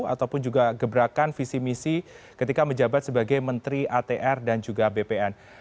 ataupun juga gebrakan visi misi ketika menjabat sebagai menteri atr dan juga bpn